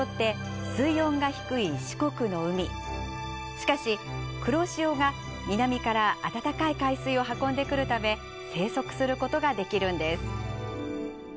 しかし黒潮が南から暖かい海水を運んでくるため生息することができるんです。